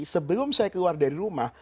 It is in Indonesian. sebelum saya keluar dari rumah